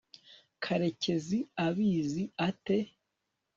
karekezi abizi ate